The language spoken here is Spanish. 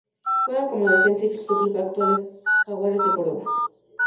Juega como defensa y su club actual es Jaguares de Córdoba